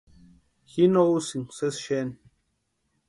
Ji no úsïnka sési xeni.